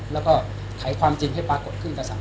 แล้วก็ไขความจริงให้ปรากฏขึ้นกับสังคม